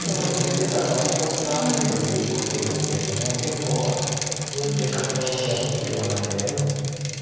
出たらワリコミがあるということですけれども結構正確な読みが必要なので。